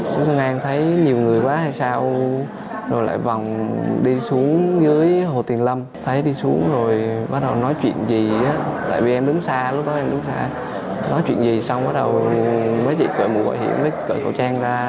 xuân an thấy nhiều người quá hay sao rồi lại vòng đi xuống dưới hồ tiền lâm thấy đi xuống rồi bắt đầu nói chuyện gì tại vì em đứng xa lúc đó em đứng xa nói chuyện gì xong bắt đầu mấy chị cởi mũ gọi hiểm cởi khẩu trang ra